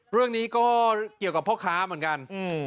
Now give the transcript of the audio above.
เรื่องนี้ก็เกี่ยวกับพ่อค้าเหมือนกัน